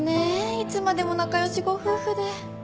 いつまでも仲良しご夫婦で。